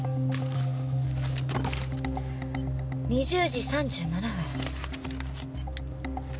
２０時３７分。